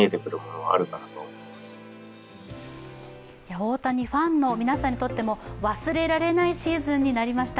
大谷ファンの皆さんにとっても忘れられないシーズンになりました。